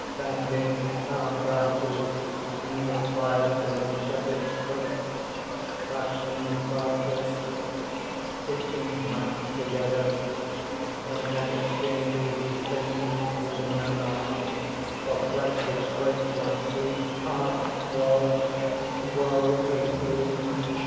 bending palm branches in the fire to make shepherds' crooks, fashioning baskets, stitching mats together and then exchanging these things with the Nomads for bread which breaks one's teeth! Ah! woe, woe is me!